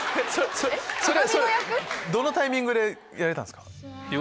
どのタイミングでやられたんですか？